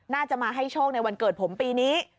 น่าจะมาให้โชคในวันเกิดผมปีนี้